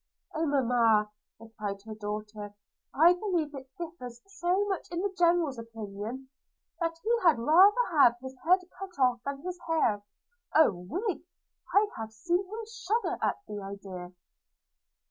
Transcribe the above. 'Oh mamma!' replied her daughter, 'I believe it differs so much in the General's opinion, that he had rather have his head cut off than his hair. – A wig! I have seen him shudder at the idea.'